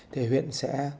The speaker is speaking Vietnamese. thì huyện sẽ